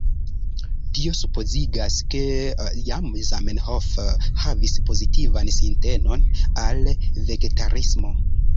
Tio supozigas, ke jam Zamenhof havis pozitivan sintenon al vegetarismo.